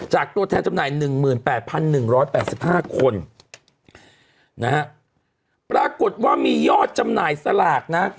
ตัวแทนจำหน่าย๑๘๑๘๕คนนะฮะปรากฏว่ามียอดจำหน่ายสลากนะ